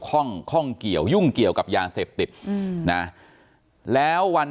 ข้องข้องเกี่ยวยุ่งเกี่ยวกับยาเสพติดอืมนะแล้ววัน